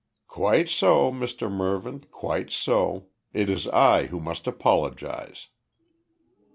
"Quite so, Mr Mervyn, quite so. It is I who must apologise."